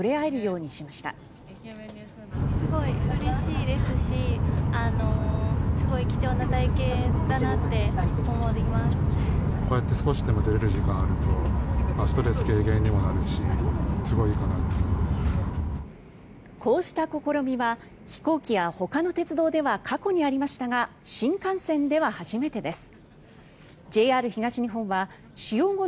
こうした試みは飛行機やほかの鉄道では過去にありましたが新幹線では初めてです。